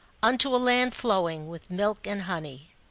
" Unto a land flowing with milk and honey."